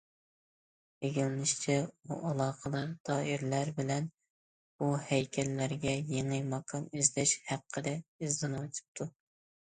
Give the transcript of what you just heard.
ئىگىلىنىشىچە، ئۇ ئالاقىدار دائىرىلەر بىلەن بۇ ھەيكەللەرگە يېڭى ماكان ئىزدەش ھەققىدە ئىزدىنىۋېتىپتۇ.